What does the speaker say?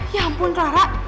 ya ampun clara